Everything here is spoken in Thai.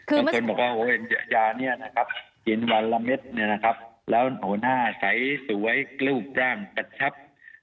ยาเนี้ยนะครับกินวันละเม็ดเนี้ยนะครับแล้วโหน้าใสสวยกล้วปร่างปัดชับ